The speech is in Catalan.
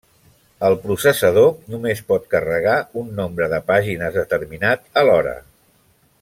El processador només pot carregar un nombre de pàgines determinat alhora.